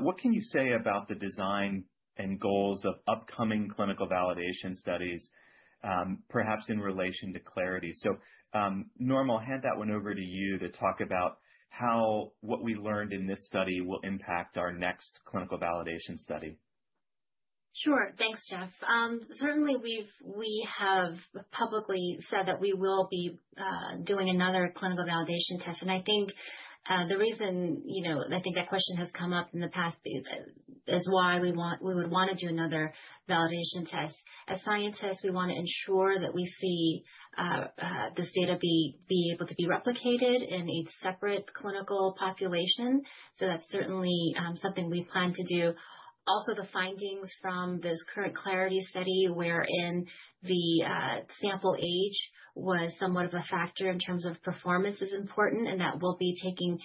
Speaker 1: What can you say about the design and goals of upcoming clinical validation studies, perhaps in relation to CLARITY? So, Norma, I'll hand that one over to you to talk about what we learned in this study will impact our next clinical validation study.
Speaker 4: Sure. Thanks, Jeff. Certainly, we have publicly said that we will be doing another clinical validation test. And I think the reason I think that question has come up in the past is why we would want to do another validation test. As scientists, we want to ensure that we see this data be able to be replicated in a separate clinical population. So that's certainly something we plan to do. Also, the findings from this current CLARITI study wherein the sample age was somewhat of a factor in terms of performance is important, and that will be taken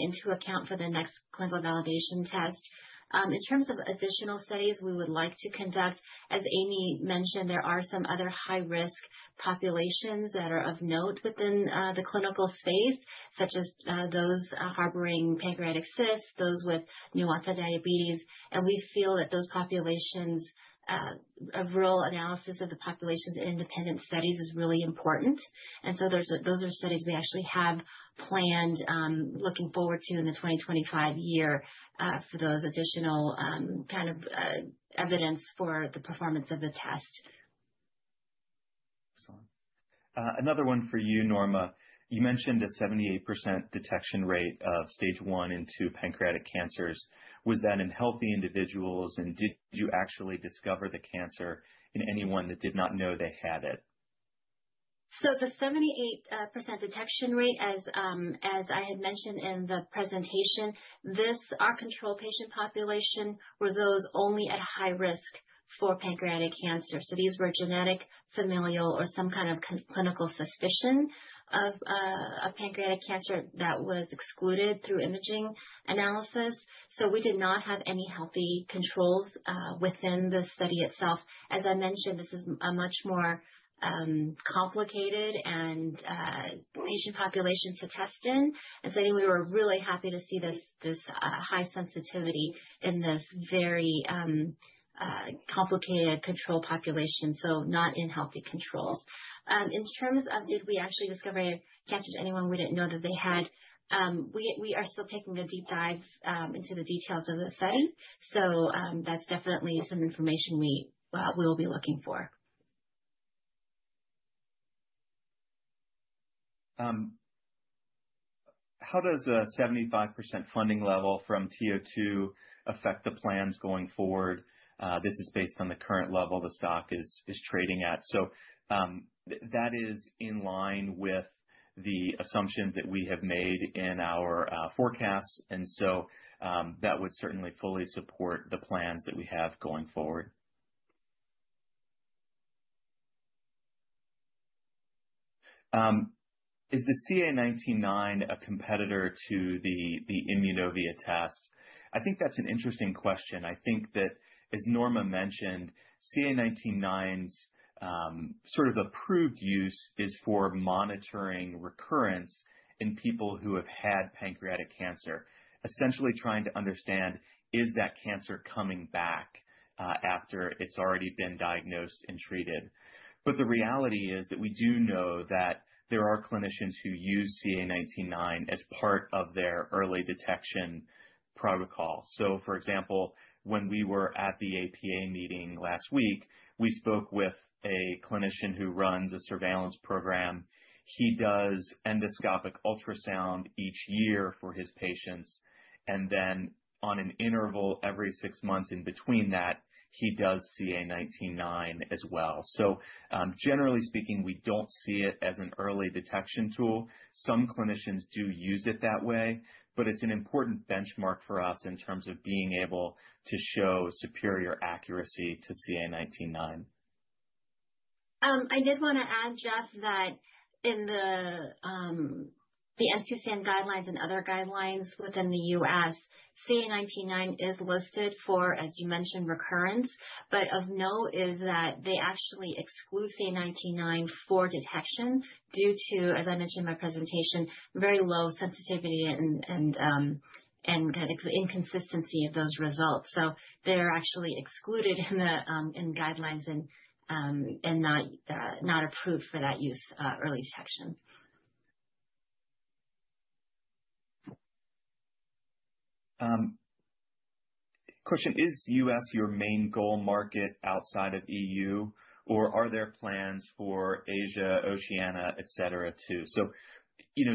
Speaker 4: into account for the next clinical validation test. In terms of additional studies, we would like to conduct, as Aimee mentioned, there are some other high-risk populations that are of note within the clinical space, such as those harboring pancreatic cysts, those with new-onset diabetes. We feel that those populations of real-world analysis of the populations in independent studies is really important. Those are studies we actually have planned, looking forward to in the 2025 year for those additional kind of evidence for the performance of the test.
Speaker 1: Excellent. Another one for you, Norma. You mentioned a 78% detection rate of stage one and two pancreatic cancers. Was that in healthy individuals, and did you actually discover the cancer in anyone that did not know they had it?
Speaker 4: The 78% detection rate, as I had mentioned in the presentation, our control patient population were those only at high risk for pancreatic cancer. These were genetic, familial, or some kind of clinical suspicion of pancreatic cancer that was excluded through imaging analysis. We did not have any healthy controls within the study itself. As I mentioned, this is a much more complicated and patient population to test in. I think we were really happy to see this high sensitivity in this very complicated control population, so not in healthy controls. In terms of did we actually discover cancer to anyone we didn't know that they had, we are still taking a deep dive into the details of the study. That's definitely some information we will be looking for.
Speaker 1: How does a 75% funding level from TO2 affect the plans going forward? This is based on the current level the stock is trading at. So that is in line with the assumptions that we have made in our forecasts. And so that would certainly fully support the plans that we have going forward. Is the CA 19-9 a competitor to the Immunovia test? I think that's an interesting question. I think that, as Norma mentioned, CA 19-9's sort of approved use is for monitoring recurrence in people who have had pancreatic cancer, essentially trying to understand, is that cancer coming back after it's already been diagnosed and treated? But the reality is that we do know that there are clinicians who use CA 19-9 as part of their early detection protocol. So for example, when we were at the APA meeting last week, we spoke with a clinician who runs a surveillance program. He does endoscopic ultrasound each year for his patients. And then on an interval every six months in between that, he does CA 19-9 as well. So generally speaking, we don't see it as an early detection tool. Some clinicians do use it that way, but it's an important benchmark for us in terms of being able to show superior accuracy to CA 19-9.
Speaker 4: I did want to add, Jeff, that in the NCCN guidelines and other guidelines within the U.S., CA 19-9 is listed for, as you mentioned, recurrence. But of note is that they actually exclude CA 19-9 for detection due to, as I mentioned in my presentation, very low sensitivity and kind of inconsistency of those results. So they're actually excluded in the guidelines and not approved for that use early detection.
Speaker 1: Question: Is U.S. your main go-to market outside of E.U., or are there plans for Asia, Oceania, et cetera, too? So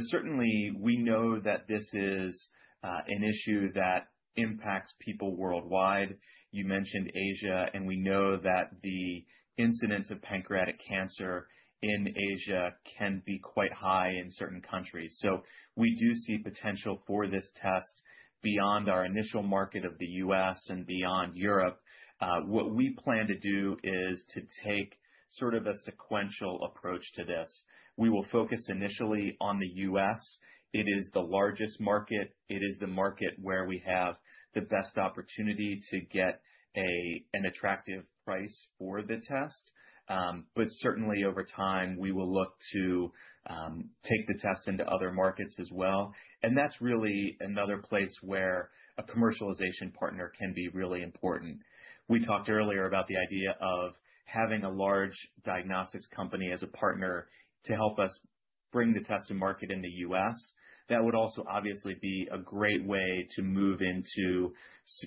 Speaker 1: certainly, we know that this is an issue that impacts people worldwide. You mentioned Asia, and we know that the incidence of pancreatic cancer in Asia can be quite high in certain countries. So we do see potential for this test beyond our initial market of the U.S. and beyond Europe. What we plan to do is to take sort of a sequential approach to this. We will focus initially on the U.S. It is the largest market. It is the market where we have the best opportunity to get an attractive price for the test. But certainly, over time, we will look to take the test into other markets as well. And that's really another place where a commercialization partner can be really important. We talked earlier about the idea of having a large diagnostics company as a partner to help us bring the test to market in the U.S. That would also obviously be a great way to move into,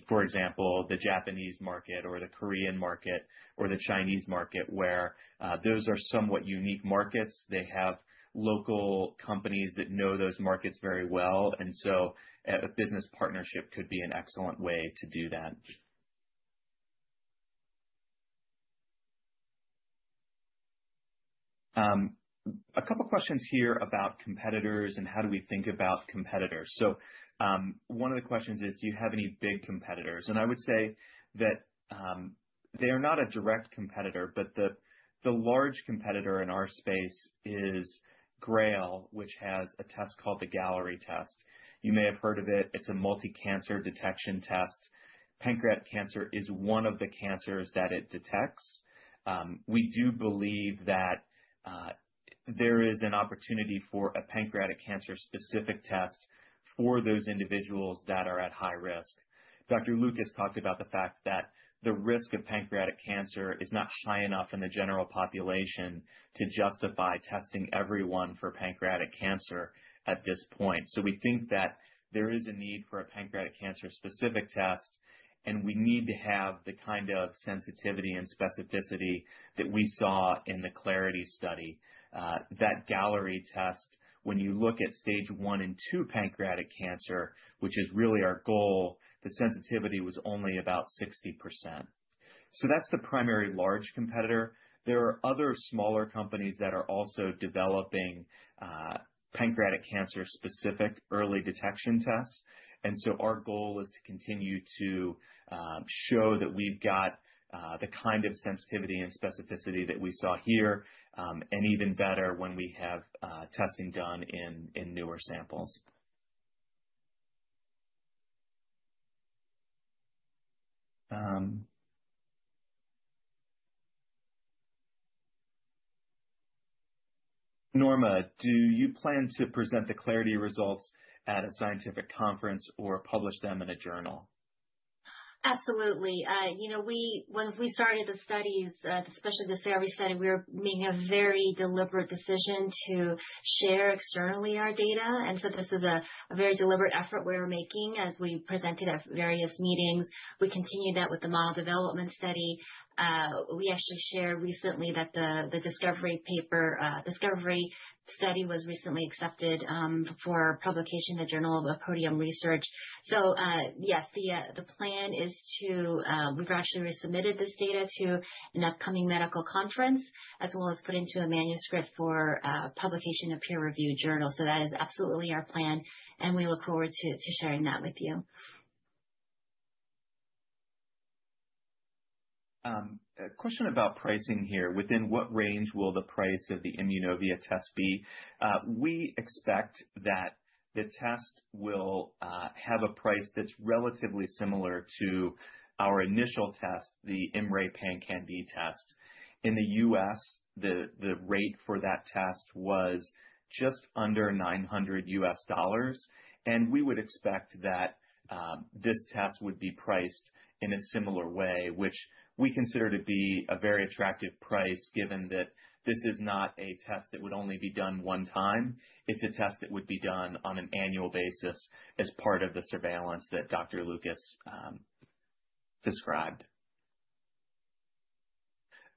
Speaker 1: for example, the Japanese market or the Korean market or the Chinese market, where those are somewhat unique markets. They have local companies that know those markets very well. And so a business partnership could be an excellent way to do that. A couple of questions here about competitors and how do we think about competitors. So one of the questions is, do you have any big competitors? And I would say that they are not a direct competitor, but the large competitor in our space is Grail, which has a test called the Galleri test. You may have heard of it. It's a multicancer detection test. Pancreatic cancer is one of the cancers that it detects. We do believe that there is an opportunity for a pancreatic cancer-specific test for those individuals that are at high risk. Dr. Lucas talked about the fact that the risk of pancreatic cancer is not high enough in the general population to justify testing everyone for pancreatic cancer at this point. So we think that there is a need for a pancreatic cancer-specific test, and we need to have the kind of sensitivity and specificity that we saw in the CLARITI study. That Galleri test, when you look at stage one and two pancreatic cancer, which is really our goal, the sensitivity was only about 60%. So that's the primary large competitor. There are other smaller companies that are also developing pancreatic cancer-specific early detection tests. And so our goal is to continue to show that we've got the kind of sensitivity and specificity that we saw here and even better when we have testing done in newer samples. Norma, do you plan to present the CLARITY results at a scientific conference or publish them in a journal?
Speaker 4: Absolutely. When we started the studies, especially the CLARITY study, we were making a very deliberate decision to share externally our data, and so this is a very deliberate effort we're making as we presented at various meetings. We continued that with the model development study. We actually shared recently that the discovery paper discovery study was recently accepted for publication in the Journal of Proteome Research, so yes, the plan is. We've actually resubmitted this data to an upcoming medical conference as well as put into a manuscript for publication in a peer-reviewed journal, so that is absolutely our plan, and we look forward to sharing that with you.
Speaker 1: Question about pricing here. Within what range will the price of the Immunovia test be? We expect that the test will have a price that's relatively similar to our initial test, the IMMray PanCan-d test. In the U.S., the rate for that test was just under $900, and we would expect that this test would be priced in a similar way, which we consider to be a very attractive price given that this is not a test that would only be done one time. It's a test that would be done on an annual basis as part of the surveillance that Dr. Lucas described.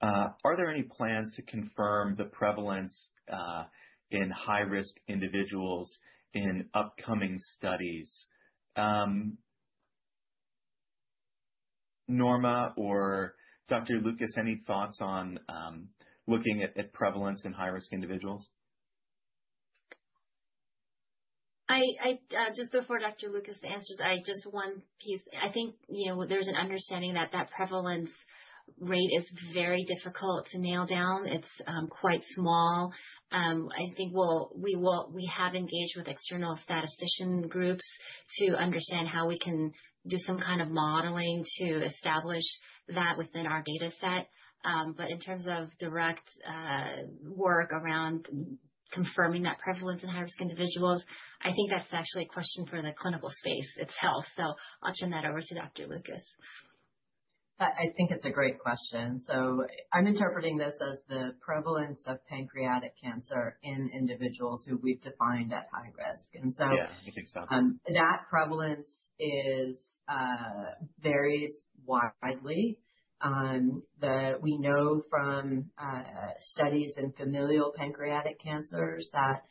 Speaker 1: Are there any plans to confirm the prevalence in high-risk individuals in upcoming studies? Norma or Dr. Lucas, any thoughts on looking at prevalence in high-risk individuals?
Speaker 4: Just before Dr. Lucas answers, just one piece. I think there's an understanding that that prevalence rate is very difficult to nail down. It's quite small. I think we have engaged with external statistician groups to understand how we can do some kind of modeling to establish that within our dataset. But in terms of direct work around confirming that prevalence in high-risk individuals, I think that's actually a question for the clinical space itself. So I'll turn that over to Dr. Lucas.
Speaker 2: I think it's a great question. So I'm interpreting this as the prevalence of pancreatic cancer in individuals who we've defined at high risk. And so.
Speaker 1: Yeah, I think so.
Speaker 2: That prevalence varies widely. We know from studies in familial pancreatic cancers that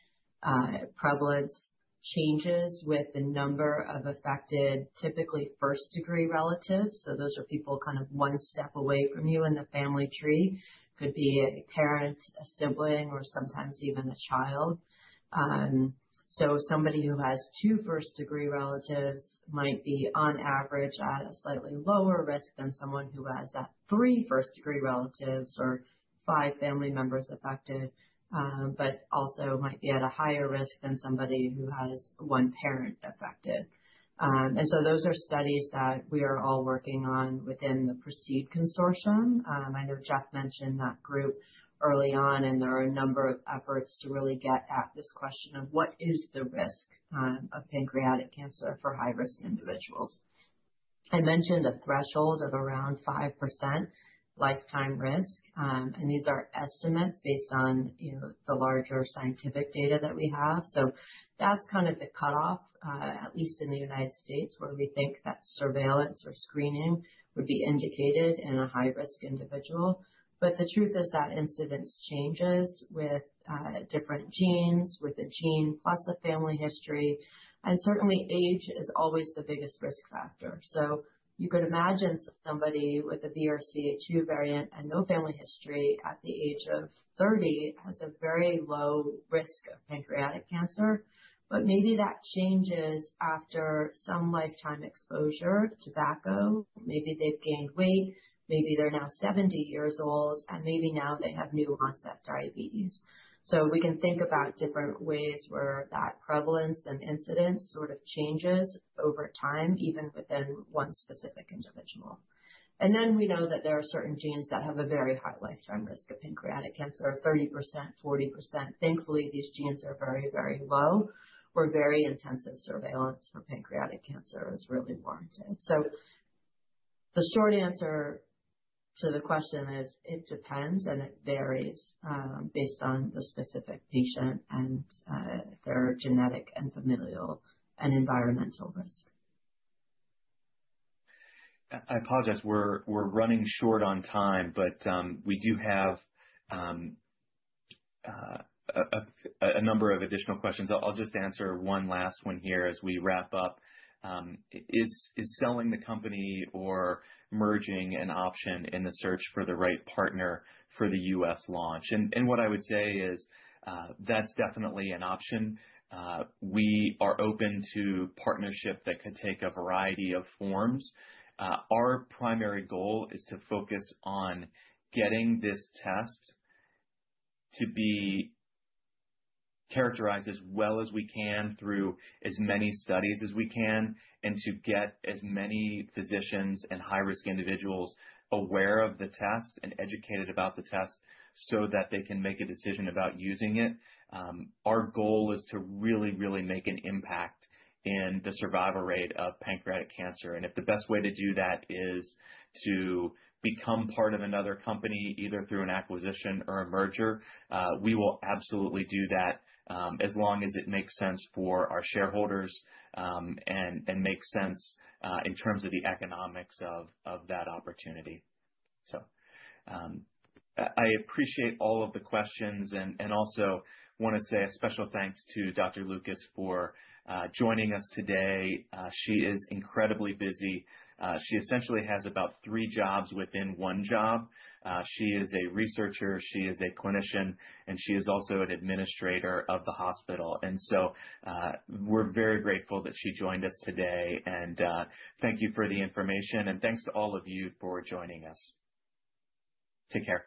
Speaker 2: prevalence changes with the number of affected, typically first-degree relatives. So those are people kind of one step away from you in the family tree. It could be a parent, a sibling, or sometimes even a child. So somebody who has two first-degree relatives might be on average at a slightly lower risk than someone who has three first-degree relatives or five family members affected, but also might be at a higher risk than somebody who has one parent affected. And so those are studies that we are all working on within the PRECEDE Consortium. I know Jeff mentioned that group early on, and there are a number of efforts to really get at this question of what is the risk of pancreatic cancer for high-risk individuals. I mentioned a threshold of around 5% lifetime risk. And these are estimates based on the larger scientific data that we have. So that's kind of the cutoff, at least in the United States, where we think that surveillance or screening would be indicated in a high-risk individual. But the truth is that incidence changes with different genes, with a gene plus a family history. And certainly, age is always the biggest risk factor. So you could imagine somebody with a BRCA2 variant and no family history at the age of 30 has a very low risk of pancreatic cancer. But maybe that changes after some lifetime exposure, tobacco. Maybe they've gained weight. Maybe they're now 70 years old, and maybe now they have new-onset diabetes. So we can think about different ways where that prevalence and incidence sort of changes over time, even within one specific individual. And then we know that there are certain genes that have a very high lifetime risk of pancreatic cancer, 30%, 40%. Thankfully, these genes are very, very low where very intensive surveillance for pancreatic cancer is really warranted. So the short answer to the question is it depends, and it varies based on the specific patient and their genetic and familial and environmental risk.
Speaker 1: I apologize. We're running short on time, but we do have a number of additional questions. I'll just answer one last one here as we wrap up. Is selling the company or merging an option in the search for the right partner for the U.S. launch? And what I would say is that's definitely an option. We are open to partnership that could take a variety of forms. Our primary goal is to focus on getting this test to be characterized as well as we can through as many studies as we can and to get as many physicians and high-risk individuals aware of the test and educated about the test so that they can make a decision about using it. Our goal is to really, really make an impact in the survival rate of pancreatic cancer. If the best way to do that is to become part of another company, either through an acquisition or a merger, we will absolutely do that as long as it makes sense for our shareholders and makes sense in terms of the economics of that opportunity. I appreciate all of the questions and also want to say a special thanks to Dr. Lucas for joining us today. She is incredibly busy. She essentially has about three jobs within one job. She is a researcher. She is a clinician, and she is also an administrator of the hospital. We're very grateful that she joined us today. Thank you for the information, and thanks to all of you for joining us. Take care.